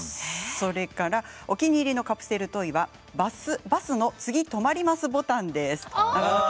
それから、お気に入りのカプセルトイがバスの次止まりますボタンです。